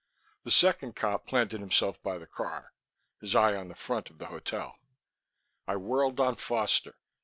The second cop planted himself by the car, his eye on the front of the hotel. I whirled on Foster.